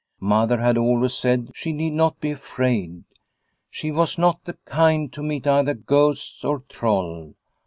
Mother had always said she need not be afraid, she was not the kind to meet either ghost or troll.